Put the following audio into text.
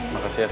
makasih ya sus